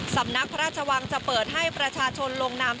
สำนักพระราชวังจะเปิดให้ประชาชนลงนาม